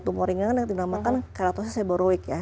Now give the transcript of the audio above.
tumor ringan yang dinamakan keratosis seborowik ya